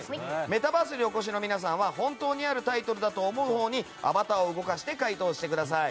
メタバースにお越しの皆さんは本当にあるタイトルだと思うほうにアバターを動かして回答してください。